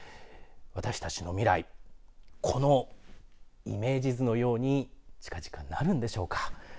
私たちの未来、このイメージ図のように近々なるんでしょうか。